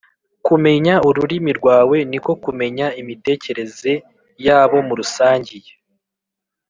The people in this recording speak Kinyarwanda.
kumenya ururimi rwawe ni ko kumenya imitekerereze y’abo murusangiye.